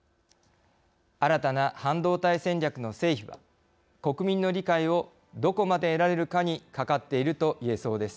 新たな半導体戦略の成否は国民の理解をどこまで得られるかにかかっているといえそうです。